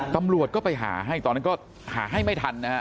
ตำรวจก็ไปหาให้ตอนนั้นก็หาให้ไม่ทันนะฮะ